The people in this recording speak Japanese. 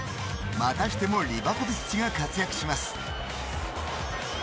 またしてもリヴァコヴィッチが活躍します。